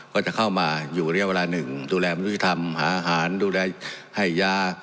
ก็จะเข้ามาอยู่ระยะเวลาหนึ่งดูแลมนุษยธรรมหาอาหารดูแลให้ยา